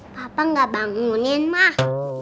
papa gak bangunin mah